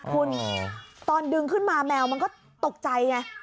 คุณตอนดึงขึ้นมาแมวมันก็ตกใจไง